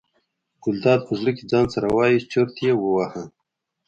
ګلداد په زړه کې ځان سره وایي چورت یې وواهه.